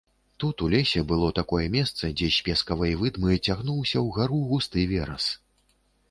Тут, у лесе, было такое месца, дзе з пескавой выдмы цягнуўся ўгару густы верас.